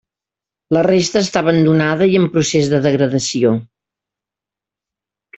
La resta està abandonada i en procés de degradació.